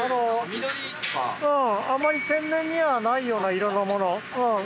このあまり天然にはないような色のもの